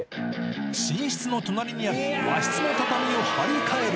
寝室の隣にある和室の畳を張り替える。